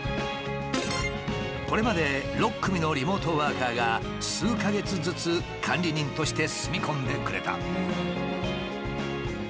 これまで６組のリモートワーカーが数か月ずつ管理人として住み込んでくれた。